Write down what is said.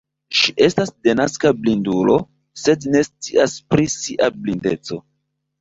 Ŝi estas denaska blindulo, sed ne scias pri sia blindeco.